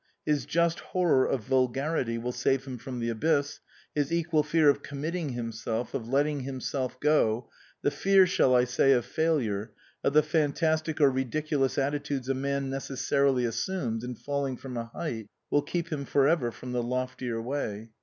His just horror of vulgarity will save him from the abyss ; his equal fear of committing himself, of letting himself go, the fear, shall I say, of failure, of the fantastic or ridiculous attitudes a man necessarily assumes in falling from a height, will keep him for ever from the loftier way.